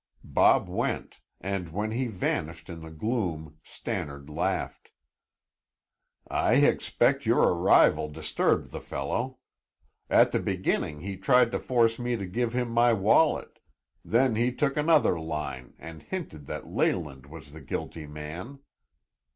Bob went, and when he vanished in the gloom Stannard laughed. "I expect your arrival disturbed the fellow. At the beginning, he tried to force me to give him my wallet; then he took another line and hinted that Leyland was the guilty man.